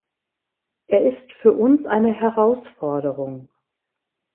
Er ist für uns eine Herausforderung.